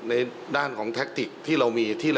ในด้านของแท็กติกที่เรามี